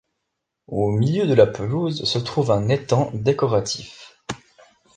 Au milieu de la pelouse se trouve un étang décoratif.